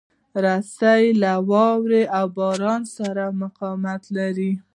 رسۍ له واوره او باران سره مقاومت لري.